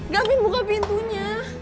gavin buka pintunya